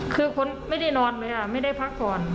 คือไม่ได้นอนเลยไม่ได้พักก่อน